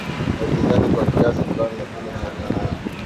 Na upinzani kwa kiasi fulani lakini maeneo haya